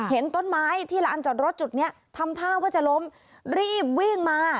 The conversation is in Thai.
เห็นต้นไม้ที่ลานจอดรถจุดนี้ทำท่าว่าจะล้มรีบวิ่งมา